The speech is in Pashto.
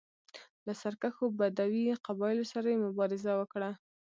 له سرکښو بدوي قبایلو سره یې مبارزه وکړه.